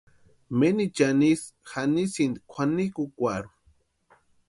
Menichani ísï janisïnti kwʼanikukwarhu.